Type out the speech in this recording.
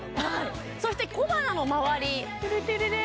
そして小鼻の周り